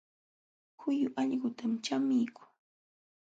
Huyu allqutam chamikuu